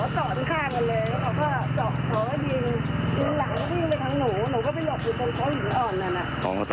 สวัสดีครับ